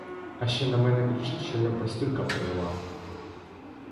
А ще на мене кричить, що я байстрюка привела.